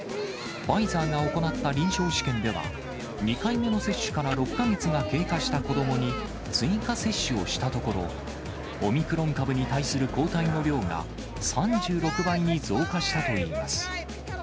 ファイザーが行った臨床試験では、２回目の接種から６か月が経過した子どもに追加接種をしたところ、オミクロン株に対する抗体の量が、３６倍に増加したといいます。